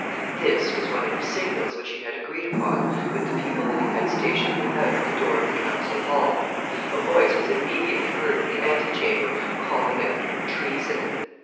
This was one of the signals which he had agreed upon with the people that he had stationed without at the door of the council hall. A voice was immediately heard in the ante chamber calling out Treason.